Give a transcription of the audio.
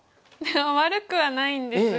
悪くはないんですが。